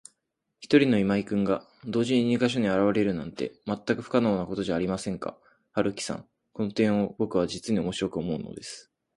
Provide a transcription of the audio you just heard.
ひとりの今井君が、同時に二ヵ所にあらわれるなんて、まったく不可能なことじゃありませんか。春木さん、この点をぼくは、じつにおもしろく思うのです。